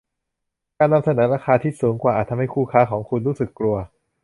การนำเสนอราคาที่สูงอาจทำให้คู่ค้าของคุณรู้สึกกลัว